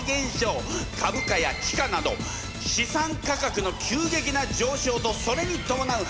株価や地価など資産価格の急激な上昇とそれにともなう